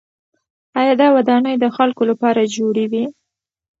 آیا دا ودانۍ د خلکو لپاره جوړې وې؟